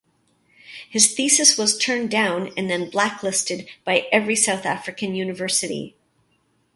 His thesis was turned down and then blacklisted by every South African university.